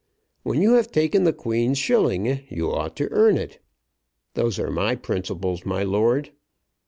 When you have taken the Queen's shilling you ought to earn it. Those are my principles, my lord.